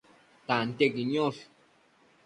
tantiequi niosh